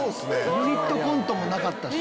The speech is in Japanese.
ユニットコントもなかったし。